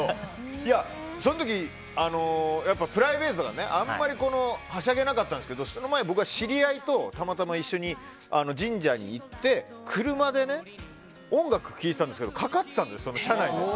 いや、その時プライベートだからあまりはしゃげなかったんですがその前、僕は知り合いとたまたま一緒に神社に行って車で音楽を聴いてたんですけどかかっていたんです、車内で。